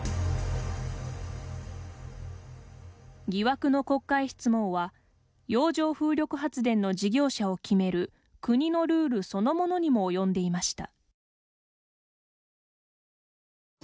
疑惑の国会質問は洋上風力発電の事業者を決める国のルールそのものにも及んでいました。